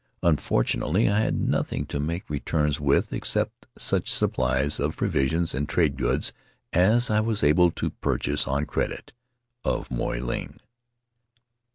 Unfortunately, I had nothing to make re turns with, except such supplies of provisions and trade goods as I was able to purchase on credit of Moy Ling.